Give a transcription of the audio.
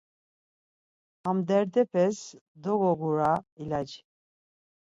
Ham derdepes dogogura ilaci